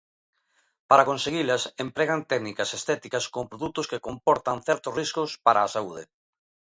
Para conseguilas, empregan técnicas estéticas con produtos que comportan certos riscos para a saúde.